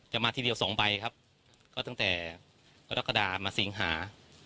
มาทีเดียวสองใบครับก็ตั้งแต่กรกฎามาสิงหา